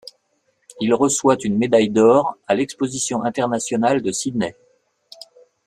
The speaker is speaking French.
Il reçoit une médaille d'or à l'exposition internationale de Sydney.